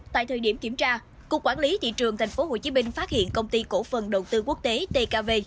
tại thời điểm kiểm tra cục quản lý thị trường tp hcm phát hiện công ty cổ phần đầu tư quốc tế tkv